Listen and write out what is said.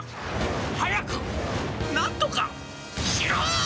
早く、なんとか、しろ！